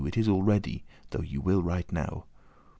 It is all ready, though ye will right now."